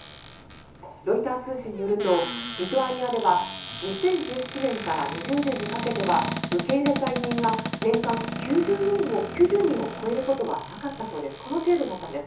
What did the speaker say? ロイター通信によるとリトアニアでは２０１７年から２０２０年にかけては受け入れた移民が年間９０人を超えることはなかったそうです。